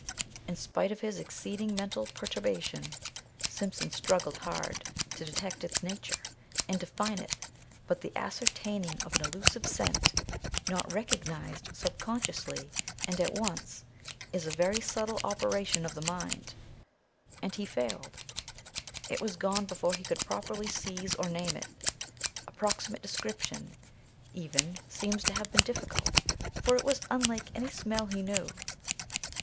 In spite of his exceeding mental perturbation, Simpson struggled hard to detect its nature, and define it, but the ascertaining of an elusive scent, not recognized subconsciously and at once, is a very subtle operation of the mind. And he failed. It was gone before he could properly seize or name it. Approximate description, even, seems to have been difficult, for it was unlike any smell he knew.